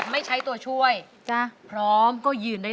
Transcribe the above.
ไม่ใช้ค่ะ